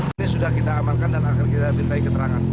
ini sudah kita amankan dan akan kita bintai keterangan